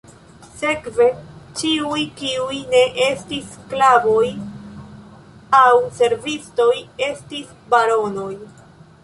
Sekve, ĉiuj kiuj ne estis sklavoj aŭ servistoj estis ""baronoj"".